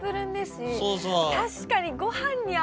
確かに。